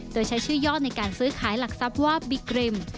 โดยใช้ชื่อยอดในการซื้อขายหลักทรัพย์ว่าบิกริม